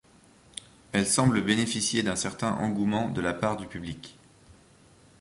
Elles semblent bénéficier d'un certain engouement de la part du public'.